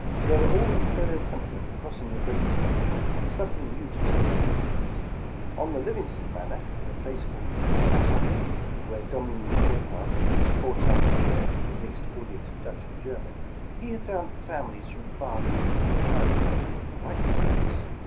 There were always fellow countrymen crossing the great deep, and something nev/ to tell them at each meeting. On the Livingston Manor, in a place called Taghkanic, — where Domine Gebhard preached four times a year, to a mixed audience of Dutch and Ger man, — he had found families from Baden, near Heidel berg, like themselves.